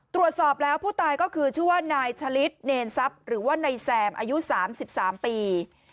ตรวจสอบแล้วผู้ตายก็คือชื่อว่านายชะลิดเนรทรัพย์หรือว่านายแซมอายุ๓๓ปี